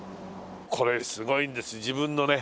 これすごいんです自分のね